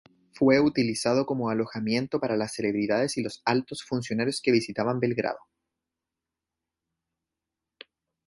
Fue utilizado como alojamiento para las celebridades y los altos funcionarios que visitaban Belgrado.